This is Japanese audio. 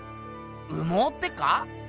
羽毛ってか？